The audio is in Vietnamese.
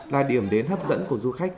là điểm đến hấp dẫn của du khách